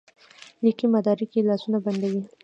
لیکلي مدارک یې لاسونه بندوي.